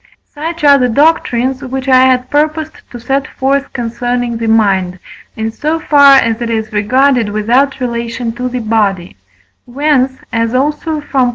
Such are the doctrines which I had purposed to set forth concerning the mind, in so far as it is regarded without relation to the body; whence, as also from I.